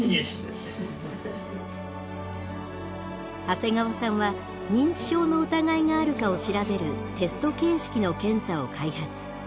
長谷川さんは認知症の疑いがあるかを調べるテスト形式の検査を開発。